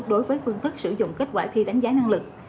đối với phương thức sử dụng kết quả thi đánh giá năng lực